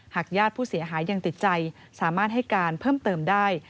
ญาติผู้เสียหายยังติดใจสามารถให้การเพิ่มเติมได้